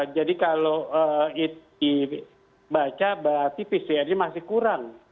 jadi kalau dibaca berarti pcrnya masih kurang